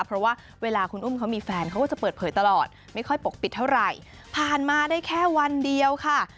เพราะว่าเวลาคุณอุ้มเขามีแฟนเขาก็จะเปิดเผยตลอดไม่ค่อยปกปิดเท่าไหร่ผ่านมาได้แค่วันเดียวค่ะ